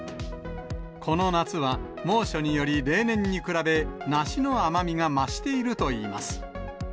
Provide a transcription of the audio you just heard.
この夏は猛暑により、例年に比べ、梨の甘みが増しているといいます。